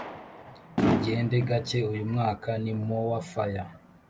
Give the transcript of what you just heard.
mugende gacye uy’umwaka ni mowa faya